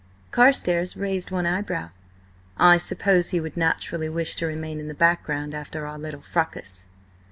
Carstares raised one eyebrow. "I suppose he would naturally wish to remain in the background after our little fracas."